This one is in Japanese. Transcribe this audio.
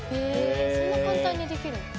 そんな簡単にできるんだ。